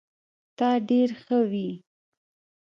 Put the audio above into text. تا ډير ښه وي